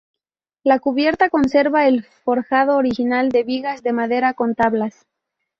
La cubierta conserva el forjado original de vigas de madera con tablas.